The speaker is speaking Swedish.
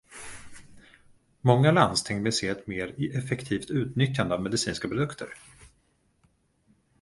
Många landsting vill se ett mer effektivt utnyttjande av medicinska produkter.